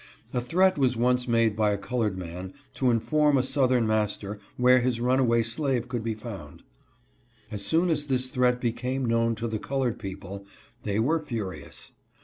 A threat was once made by a colored man to inform a southern master where his runaway slave could be found. As soon as this threat became known to the colored people they were furious.